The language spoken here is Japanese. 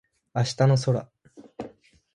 明日の空